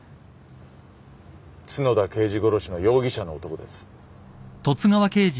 角田刑事殺しの容疑者の男です。